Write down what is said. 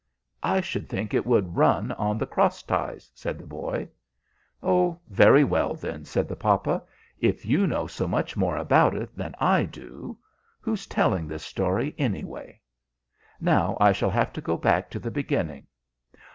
"I should think it would run on the cross ties," said the boy. "Oh, very well, then!" said the papa. "If you know so much more about it than I do! Who's telling this story, anyway? Now I shall have to go back to the beginning.